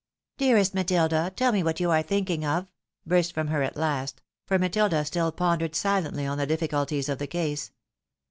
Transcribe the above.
" Dearest Matilda ! teU me what you are thinking of ?" burst from her at last — for Matilda stOl pondered silently on the difiiculties of the case.